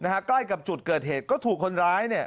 ใกล้กับจุดเกิดเหตุก็ถูกคนร้าย